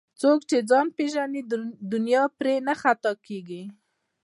څوک چې ځان پیژني دنیا پرې نه خطا کېږي